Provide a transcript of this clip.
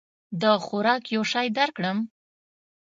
د خوراک یو شی درکړم؟